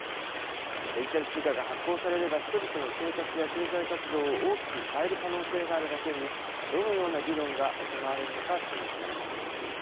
デジタル通貨が発行されれば、人々の生活や経済活動を大きく変える可能性があるだけに、どのような議論が行われるのか注目されます。